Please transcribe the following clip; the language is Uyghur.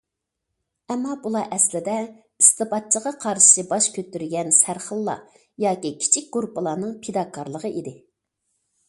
ئەمما، بۇلار ئەسلىدە ئىستىبداتچىغا قارشى باش كۆتۈرگەن سەرخىللار ياكى كىچىك گۇرۇپپىلارنىڭ پىداركارلىقى ئىدى.